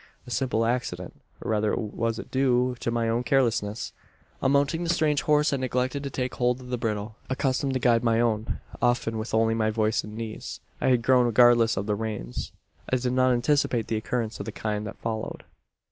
"A simple accident; or rather was it due to my own carelessness. On mounting the strange horse I neglected to take hold of the bridle. Accustomed to guide my own often with only my voice and knees I had grown regardless of the reins. I did not anticipate an occurrence of the kind that followed.